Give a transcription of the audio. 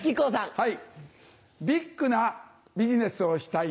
はい。